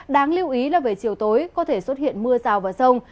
đáng lưu ý là về chiều tối có thể xuất hiện mưa rào và rông